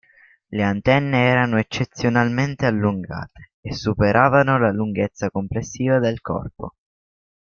Le antenne erano eccezionalmente allungate, e superavano la lunghezza complessiva del corpo.